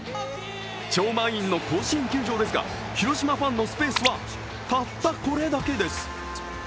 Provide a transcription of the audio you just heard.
超満員の甲子園球場ですが広島ファンのスペースは、たったこれだけです。